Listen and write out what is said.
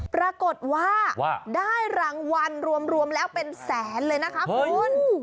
ปรากฏว่าได้รางวัลรวมแล้วเป็นแสนเลยนะคะคุณ